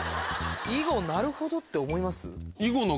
囲碁なるほど！って思います？